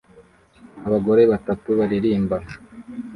Abagore batatu baririmba